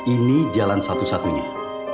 ini jalan satu satunya